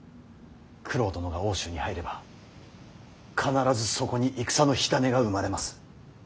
九郎殿が奥州に入れば必ずそこに戦の火種が生まれます。